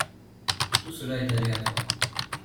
Tout cela est aléatoire.